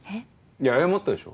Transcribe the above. いや謝ったでしょ。